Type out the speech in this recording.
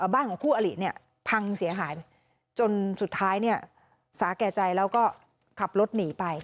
บ้านของคู่อลิเนี่ยพังเสียหายจนสุดท้ายเนี่ยสาแก่ใจแล้วก็ขับรถหนีไป